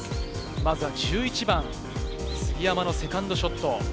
まずは１１番、杉山のセカンドショット。